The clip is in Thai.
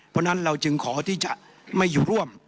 เพราะฉะนั้นเราจึงขอที่จะไม่อยู่ร่วม